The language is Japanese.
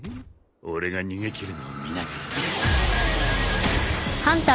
俺が逃げ切るのを見ながらな。